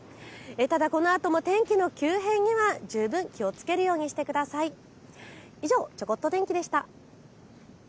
ただこのあとも天気の急変には十分、気をつけるようにしてください。以上ちょこっと天気でした。